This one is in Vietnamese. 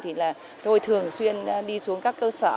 thì tôi thường xuyên đi xuống các cơ sở